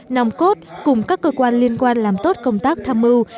nòng cốt cùng các cơ quan liên quan làm tốt công tác tham mưu